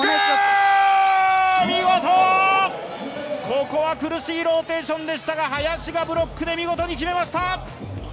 ここは苦しいローテーションでしたが、林がブロックで見事に決めました。